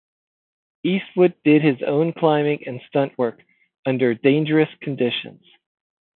Eastwood did his own climbing and stuntwork under dangerous conditions.